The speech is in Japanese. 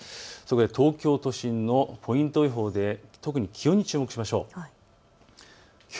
東京都心のポイント予報で特に気温に注目しましょう。